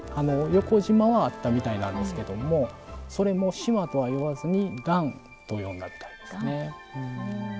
横じまはあったみたいなんですけどもそれも「しま」とは言わずに段と呼んだみたいですね。